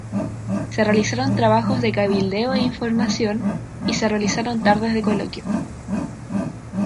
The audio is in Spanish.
Se realizaron trabajos de cabildeo e información, y se realizaron tardes de coloquio.